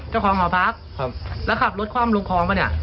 แต่ต้องเล่น